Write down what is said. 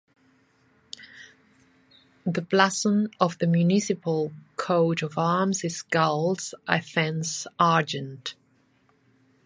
The blazon of the municipal coat of arms is Gules, a Fence Argent.